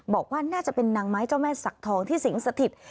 บอกว่าน่าจะเป็นนางไม้เจ้าแม่สักทองที่สิงสถิต